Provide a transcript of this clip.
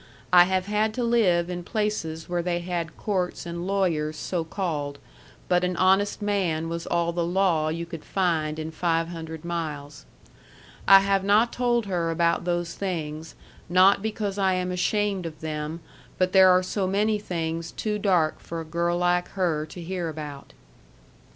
I have had to live in places where they had courts and lawyers so called but an honest man was all the law you could find in five hundred miles. I have not told her about those things not because I am ashamed of them but there are so many things too dark for a girl like her to hear about.